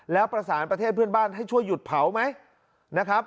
แล้วประสานประเทศเพื่อนบ้านให้ช่วยหยุดเผาไหมนะครับ